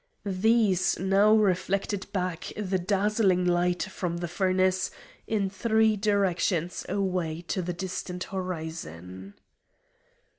These now reflected back the dazzling light from the furnace in three directions away to the distant horizon.